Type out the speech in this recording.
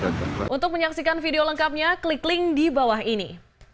untuk menyaksikan video lengkapnya klik link di bawah ini